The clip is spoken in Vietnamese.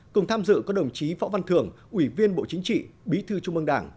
cùng tham dự có đồng chí phó văn thường ủy viên bộ chính trị bí thư trung mương đảng